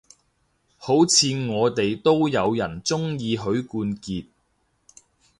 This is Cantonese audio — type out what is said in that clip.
好似我哋都有人鍾意許冠傑